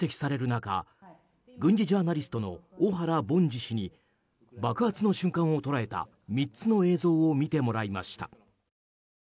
中軍事ジャーナリストの小原凡司氏に爆発の瞬間を捉えた３つの映像を見てもらいました。